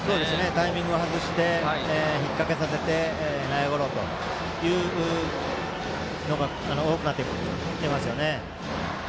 タイミングを外して引っ掛けさせて内野ゴロというのが多くなってきていますね。